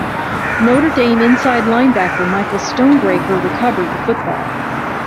Notre Dame inside linebacker Michael Stonebreaker recovered the football.